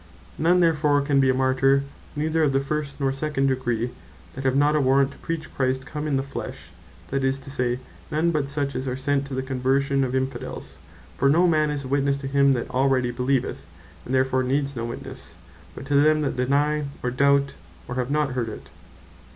None therefore can be a Martyr, neither of the first, nor second degree, that have not a warrant to preach Christ come in the flesh; that is to say, none, but such as are sent to the conversion of Infidels. For no man is a Witnesse to him that already beleeveth, and therefore needs no Witnesse; but to them that deny, or doubt, or have not heard it.